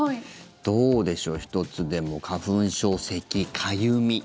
どうでしょう、１つでも花粉症、せき、かゆみ。